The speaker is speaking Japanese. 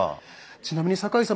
ちなみに酒井様